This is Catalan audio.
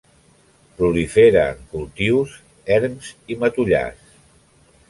Prolifera en cultius, erms i matollars.